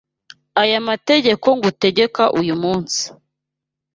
Aya mategeko ngutegeka uyu munsi